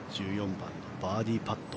番のバーディーパット。